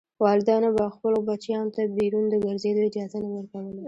والدینو به خپلو بچیانو ته بیرون د ګرځېدو اجازه نه ورکوله.